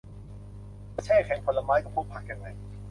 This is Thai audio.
จะแช่แข็งผลไม้กับพวกผักยังไง